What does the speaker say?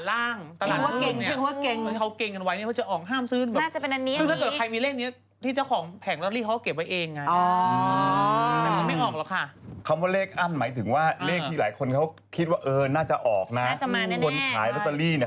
เลขที่เขาอั้นล่ะค่ะแต่หมายความว่าในตลาดล่างตลาดอื่นเนี่ยถ้าเขาเก็งกันไว้เขาจะออกห้ามซื้อ